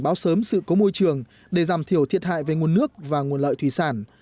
báo sớm sự cố môi trường để giảm thiểu thiệt hại về nguồn nước và nguồn lợi thủy sản